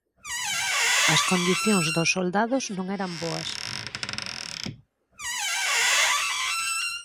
As condicións dos soldados non eran boas.